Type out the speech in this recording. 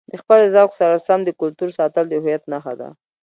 د خپلې ذوق سره سم د کلتور ساتل د هویت نښه ده.